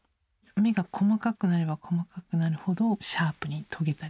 目が細かくなれば細かくなるほどシャープに研げたり。